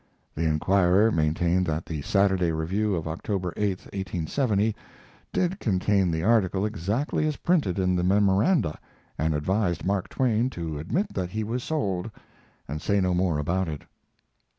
The Enquirer maintained that The Saturday Review of October 8, 1870, did contain the article exactly as printed in the "Memoranda," and advised Mark Twain to admit that he was sold, and say no more about it.